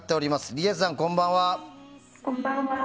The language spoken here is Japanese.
りえさん、こんばんは。